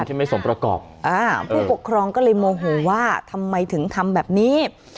ที่ไม่สมประกอบอ่าผู้ปกครองก็เลยโมโหว่าทำไมถึงทำแบบนี้